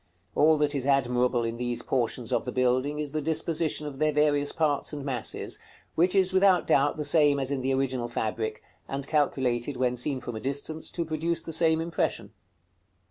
All that is admirable in these portions of the building is the disposition of their various parts and masses, which is without doubt the same as in the original fabric, and calculated, when seen from a distance, to produce the same impression.